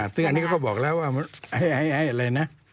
ซึ่งอันนี้ก็บอกแล้วว่าให้อะไรนะ